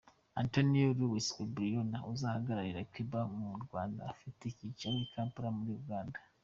Antonio Luis Pubillones azahagararira Cuba mu Rwanda afite icyicaro i Kampala muri Uganda.